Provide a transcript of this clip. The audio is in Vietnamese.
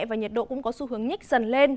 và nhiệt độ cũng có xu hướng nhích dần lên